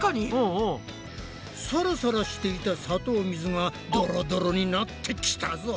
サラサラしていた砂糖水がドロドロになってきたぞ！